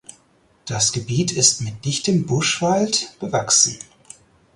Das Gebiet ist mit dichtem Buschwald bewachsen.